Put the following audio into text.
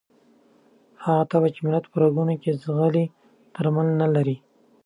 هغه تبه چې د ملت په رګونو کې ځغلي درمل نه لري.